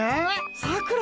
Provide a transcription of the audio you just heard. さくら？